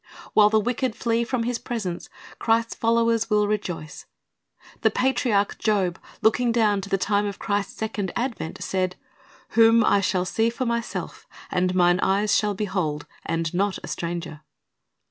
While the wicked flee from His presence, Christ's followers will rejoice. The patriarch Job, looking down to the time of Christ's second advent, said, "Whom I shall see for myself, and mine eyes shall behold, and not a stranger.'"